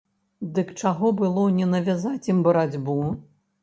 Дык чаго было не навязаць ім барацьбу?